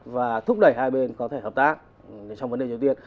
và thúc đẩy hai bên có thể hợp tác trong vấn đề triều tiên